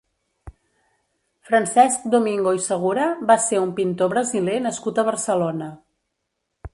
Francesc Domingo i Segura va ser un pintor brasiler nascut a Barcelona.